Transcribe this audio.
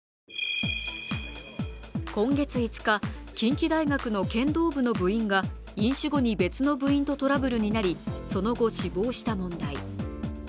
今月５日、近畿大学の剣道部の部員が飲酒後に別の部員とトラブルになり、その後死亡した問題。